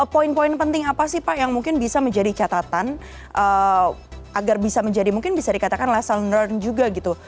poin poin penting apa sih pak yang mungkin bisa menjadi catatan agar bisa menjadi mungkin bisa dikatakan lesson learned juga gitu